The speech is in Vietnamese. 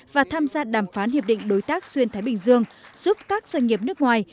và tham gia đàm phán hiệp định đối tác xuyên thái bình dương giúp các doanh nghiệp nước ngoài